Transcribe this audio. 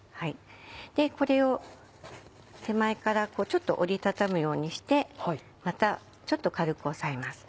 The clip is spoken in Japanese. これを手前からちょっと折り畳むようにしてまたちょっと軽く押さえます。